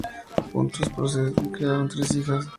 Juntos procrearon tres hijas.